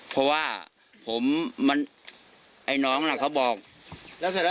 เพราะว่าผมมันไอ้น้องน่ะเขาบอกแล้วเสร็จแล้ว